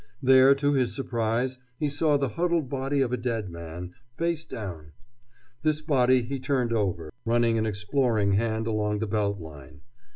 There, to his surprise, he saw the huddled body of a dead man, face down. This body he turned over, running an exploring hand along the belt line.